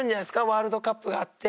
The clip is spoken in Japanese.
ワールドカップがあって。